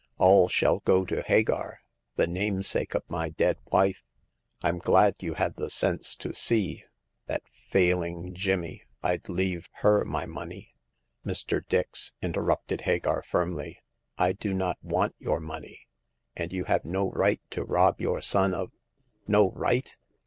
All shall go to Hagar, the namesake of my dead wife. Tm glad you had the sense to see, that failing Jimmy, Fd leave her my money." Mr. Dix,*' interrupted Hagar, firmly, I do not want your money ; and you have no right to rob your son of "No right